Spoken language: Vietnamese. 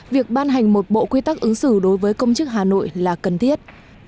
việc ban hành một bộ quy tắc ứng xử đối với công chức hà nội là cần thiết